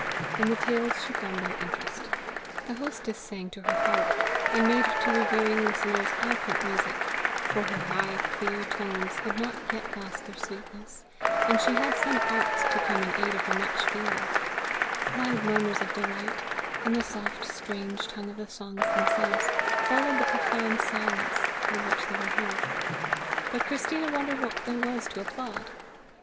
In the tales she found no interest. The hostess sang to her harp, and made to revering listeners eloquent music, for her high clear tones had not yet lost their sweetness, and she had some art to come in aid of her much feeling: loud murmurs of delight, in the soft strange tongue of the songs themselves, followed the profound silence with which they were heard, but Christina wondered what there was to applaud.